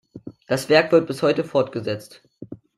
Das Werk wird bis heute fortgesetzt.